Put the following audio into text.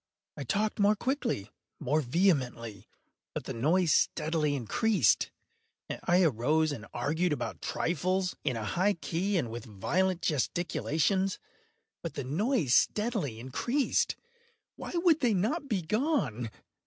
I talked more quickly—more vehemently; but the noise steadily increased. I arose and argued about trifles, in a high key and with violent gesticulations; but the noise steadily increased. Why would they not be gone?